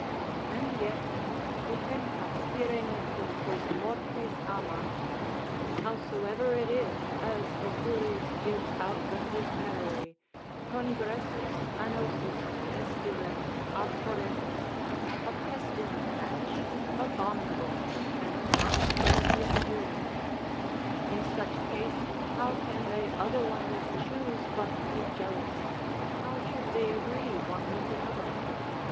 And yet ducentas ire nuptum post mortes amant: howsoever it is, as Apuleius gives out of his Meroe, congressus annosus, pestilens, abhorrendus, a pestilent match, abominable, and not to be endured. In such case how can they otherwise choose but be jealous, how should they agree one with another?